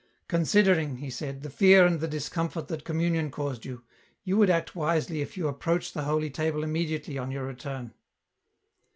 " Considering," he said, " the fear and the discomfort that Communion caused you, you would act wisely if you ap proach the Holy Table immediately on your return."